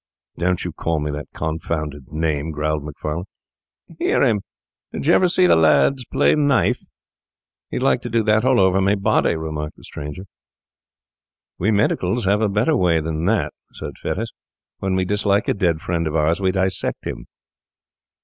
'Don't you call me that confounded name,' growled Macfarlane. 'Hear him! Did you ever see the lads play knife? He would like to do that all over my body,' remarked the stranger. 'We medicals have a better way than that,' said Fettes. 'When we dislike a dead friend of ours, we dissect him.